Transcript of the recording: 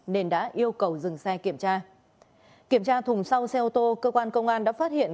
nên đã yêu cầu dừng xe kiểm tra kiểm tra thùng sau xe ô tô cơ quan công an đã phát hiện